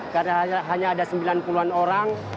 karena hanya ada sembilan puluh an orang